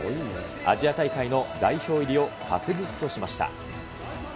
アジア大会の代表入りを確実としました。